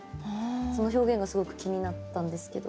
その表現がすごく気になったんですけど。